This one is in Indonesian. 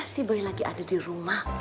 si bayi lagi ada di rumah